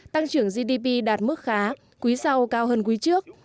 tăng trưởng gdp đạt mức khá quý sau cao hơn quý trước